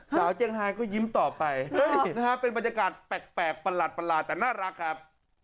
เจียงไฮก็ยิ้มต่อไปนะฮะเป็นบรรยากาศแปลกประหลาดแต่น่ารักครับ